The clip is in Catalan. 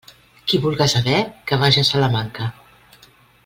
Qui vulga saber, que vaja a Salamanca.